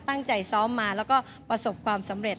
ตั้งใจซ้อมมาแล้วก็ประสบความสำเร็จ